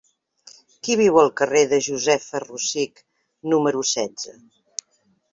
Qui viu al carrer de Josefa Rosich número setze?